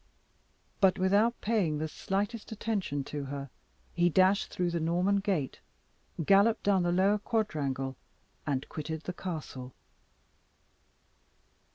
But without paying the slightest attention to her, he dashed through the Norman Gate, galloped down the lower quadrangle, and quitted the castle.